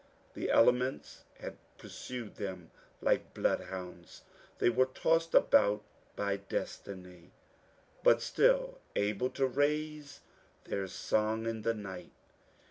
The elements had pursued them like blood hounds ; they were tossed about by destiny, but still able to raise their song in the night.